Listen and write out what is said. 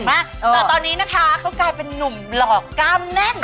มาแต่ตอนนี้นะคะเขากลายเป็นนุ่มหลอกกล้ามแน่น